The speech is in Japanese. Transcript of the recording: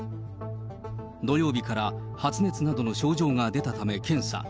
土曜日から発熱などの症状が出たため検査。